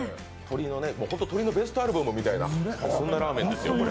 本当に鶏のベストアルバムみたいな、そんなラーメンですよ。